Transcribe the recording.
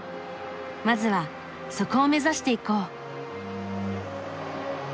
まずはそこを目指していこう。